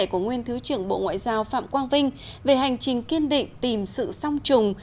của nguyên thứ trưởng bộ ngoại giao phạm quang vinh về hành trình kiên định tìm sự song trùng